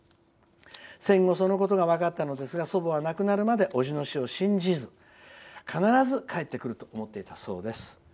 戦後そのことが分かったのですが祖母は亡くなるまでおじが死んだのを信じず必ず帰ってくると思っていたそうです。